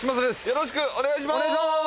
よろしくお願いします